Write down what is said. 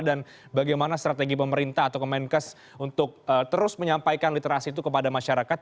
dan bagaimana strategi pemerintah atau kemenkes untuk terus menyampaikan literasi itu kepada masyarakat